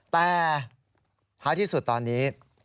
แต่ท้ายที่สุดตอนนี้